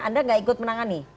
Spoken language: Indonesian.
anda nggak ikut menangani